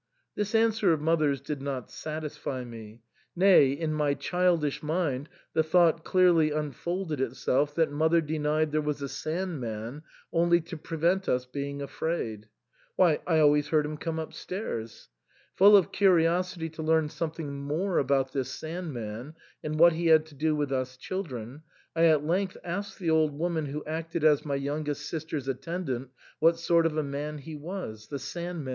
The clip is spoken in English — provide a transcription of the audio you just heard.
This answer of mother's did not satisfy me ; nay, in my childish mind the thought clearly unfolded itself that mother denied there was a Sand man only to prevent us being afraid, — why, I always heard him come upstairs. Full of curiosity to learn something more about this Sand man and what he had to do with us children, I at length asked the old woman who acted as my youngest sister's attendant, wha^ sort of a man he was — the Sand man